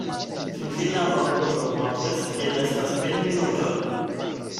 Finfine horloĝo montris ke restas kvin minutoj.